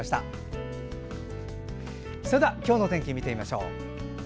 それでは今日の天気見てみましょう。